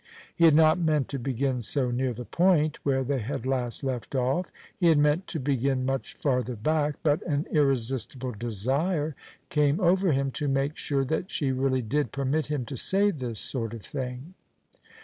He had not meant to begin so near the point where they had last left off; he had meant to begin much farther back: but an irresistible desire came over him to make sure that she really did permit him to say this sort of thing.